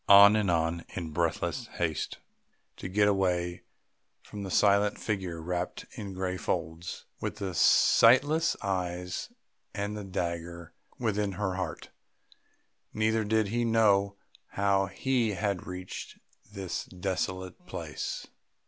On, on, in breathless haste to get away from that silent figure wrapped in grey folds, with the sightless eyes and the dagger within her heart ... neither did he know how he had reached this desolate place.